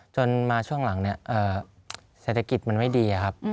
จนมาช่วงหลังเนี่ยเศรษฐกิจมันไม่ดีครับ